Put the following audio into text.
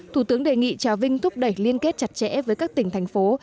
thủ tướng đề nghị trà vinh thúc đẩy liên kết chặt chẽ với các tỉnh thành phố